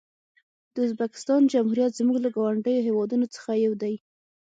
د ازبکستان جمهوریت زموږ له ګاونډیو هېوادونو څخه یو دی.